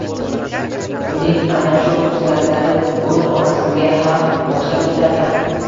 Uning ana shu xislatlari o`z onasiga ham o`xshab ketarkan